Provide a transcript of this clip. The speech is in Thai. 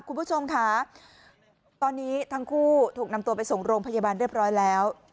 คุณผู้ชมค่ะตอนนี้ทั้งคู่ถูกนำตัวไปส่งโรงพยาบาลเรียบร้อยแล้ว